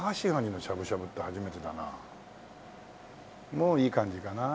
もういい感じかな？